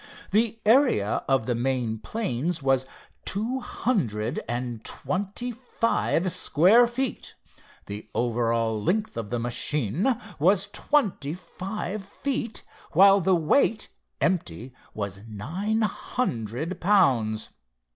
The area of the main planes was two hundred and twenty five square feet. The over all length of the machine was twenty five feet, while the weight empty, was nine hundred pounds.